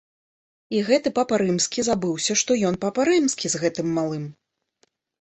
І гэты папа рымскі забыўся, што ён папа рымскі, з гэтым малым.